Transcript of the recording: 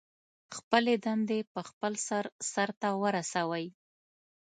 خپلې دندې په خپل وخت سرته ورسوئ.